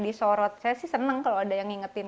disorot saya sih seneng kalau ada yang ngingetin